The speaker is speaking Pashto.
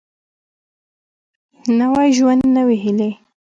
نوی ژوند نوي هېلې